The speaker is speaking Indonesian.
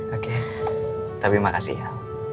oke tapi makasih ya